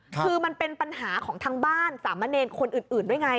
คือมันเป็นปัญหาของทางบ้านสามะเนรคนอื่นด้วยไง